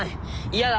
嫌だ！